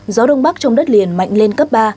gió đông bắc trong đất liền mạnh lên cấp ba